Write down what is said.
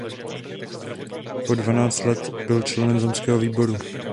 Po dvanáct let byl členem zemského výboru.